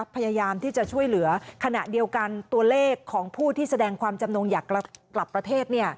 พยายามที่จะช่วยเหลือขณะเดียวกันตัวเลขของผู้ที่แสดงความจำนงอยากกลับประเทศ